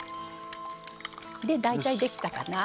で大体できたかな？